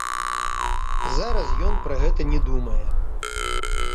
Зараз ён пра гэта не думае.